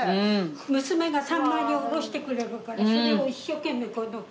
娘が三枚に下ろしてくれるからそれを一生懸命取るの。